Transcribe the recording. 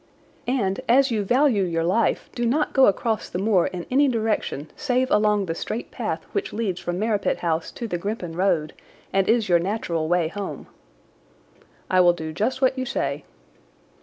"And as you value your life do not go across the moor in any direction save along the straight path which leads from Merripit House to the Grimpen Road, and is your natural way home." "I will do just what you say."